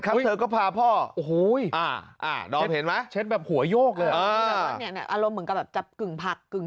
ครับเธอก็พาพ่อเช็ดแบบหัวโยกอารมณ์เหมือนกับจับกึ่งผักกึ่ง